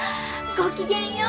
ごきげんよう！